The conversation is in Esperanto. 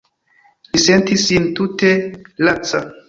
Li sentis sin tute laca.